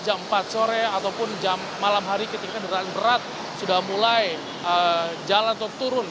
jam empat sore ataupun jam malam hari ketika kendaraan berat sudah mulai jalan atau turun